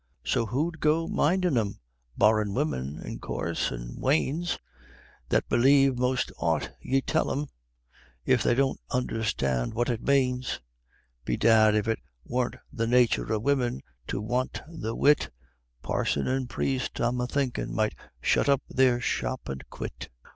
So who'd go mindin' o' thim? barrin' women, in coorse, an' wanes, That believe 'most aught ye tell thim, if they don't understand what it manes Bedad, if it worn't the nathur o' women to want the wit, Parson and Priest I'm a thinkin' might shut up their shop an' quit.